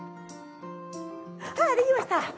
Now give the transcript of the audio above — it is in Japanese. はあできました！